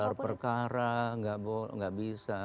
gelar perkara nggak bisa